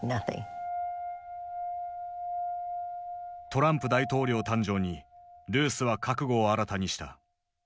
トランプ大統領誕生にルースは覚悟を新たにした。